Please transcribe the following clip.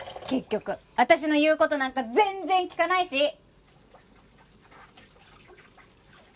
結局私の言う事なんか全然聞かないし！